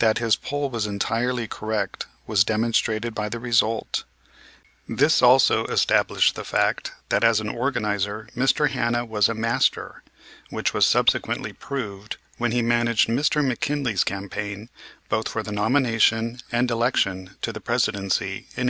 That his poll was entirely correct was demonstrated by the result. This also established the fact that as an organizer Mr. Hanna was a master, which was subsequently proved when he managed Mr. McKinley's campaign both for the nomination and election to the Presidency in 1896.